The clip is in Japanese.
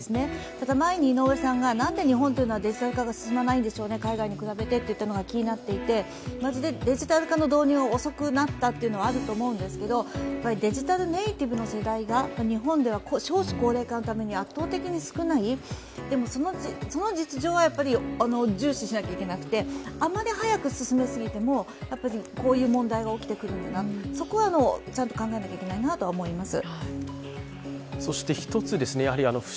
ただ、なんで日本はデジタル化が海外に比べて進まないんでしょうねというのが気になっていてデジタル化の導入が遅くなったというのはあるんですけれどもデジタルネイティブな世代が、日本は少子高齢化のために圧倒的に少ない、でも、その実情は、重視しなければいけなくて、あまり早く進めすぎてもこういう問題が起きてくるんだなそこはちゃんと考えなきゃいけないなと思います。